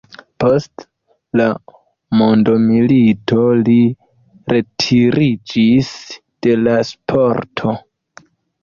Post la mondomilito li retiriĝis de la sporto.